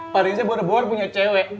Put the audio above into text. pak rija baru baru punya cewek